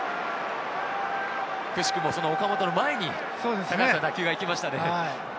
くしくも、その岡本の前に打球がいきましたね。